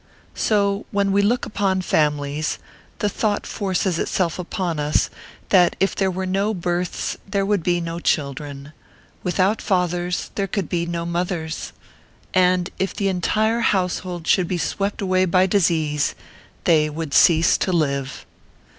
So when we look upon families, the thought forces itself upon us that if there were no births there would be no children : without fathers there could be no mothers ; and if the entire house hold should be swept away by disease, they would ORPHEUS C. KERB PAPERS. 303 cease to live.